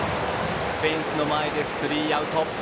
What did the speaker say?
フェンスの前でスリーアウト。